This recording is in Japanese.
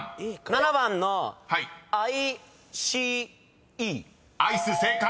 ７番の「ＩＣＥ」［「ＩＣＥ」正解！